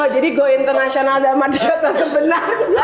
jadi gue internasional dan madiota sebenarnya